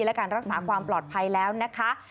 และการรักษาความปลอดภัยแล้วนะคะ